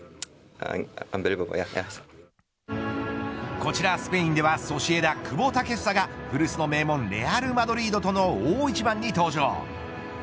こちらスペインではソシエダ、久保建英が古巣の名門レアルマドリードとの大一番に登場。